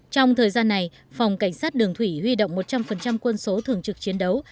trong thời gian này phòng cảnh sát đường thủy huy động một trăm linh quân số thường trực chiến đấu